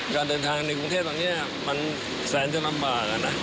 การเดินทางในกรุงเทพตอนนี้มันแสนจะลำบาก